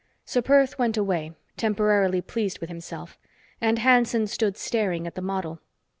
Ser Perth went away, temporarily pleased with himself, and Hanson stood staring at the model.